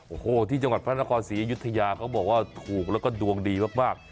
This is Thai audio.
โอ้โหที่จังหวัดพระนครศรีอยุธยาเขาบอกว่าถูกแล้วก็ดวงดีมาก